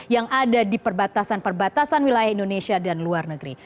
yang ada di perbatasan perbatasan wilayah indonesia dan luar negeri